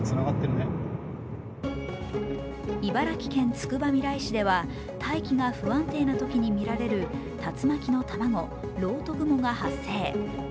茨城県つくばみらい市では大気が不安定なときに見られる竜巻の卵、漏斗雲が発生。